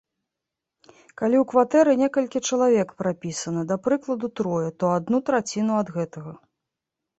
Калі ў кватэры некалькі чалавек прапісана, да прыкладу, трое, то адну траціну ад гэтага.